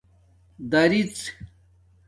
دِریڎ